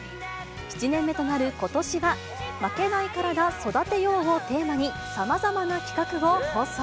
７年目となることしは、負けないカラダ、育てようをテーマに、さまざまな企画を放送。